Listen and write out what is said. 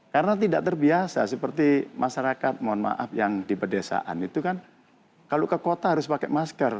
karena tidak terbiasa seperti masyarakat mohon maaf yang di pedesaan itu kan kalau ke kota harus pakai masker